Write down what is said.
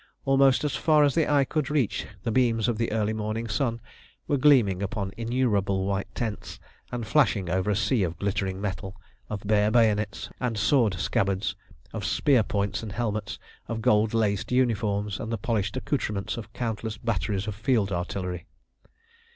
Almost as far as the eye could reach the beams of the early morning sun were gleaming upon innumerable white tents, and flashing over a sea of glittering metal, of bare bayonets and sword scabbards, of spear points and helmets, of gold laced uniforms and the polished accoutrements of countless batteries of field artillery.